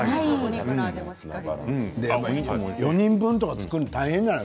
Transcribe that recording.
４人分とか作るの大変じゃない。